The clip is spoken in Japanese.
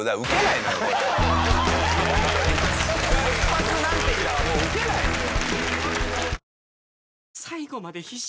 突発「なんて日だ！」はもうウケないのよ。